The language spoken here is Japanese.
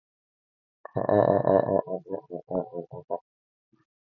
あああああああああああ